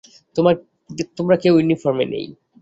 তোমরা কেউ ইউনিফর্মে নেই।